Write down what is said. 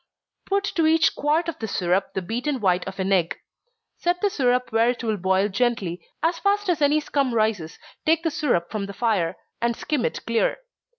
Put to each quart of the syrup the beaten white of an egg. Set the syrup where it will boil gently as fast as any scum rises, take the syrup from the fire, and skim it clear.